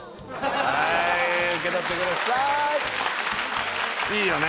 はい受け取ってくださいいいよね